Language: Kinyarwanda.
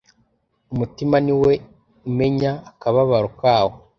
umutima ni wo umenya akababaro kawo